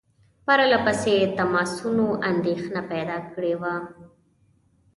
پرله پسې تماسونو اندېښنه پیدا کړې وه.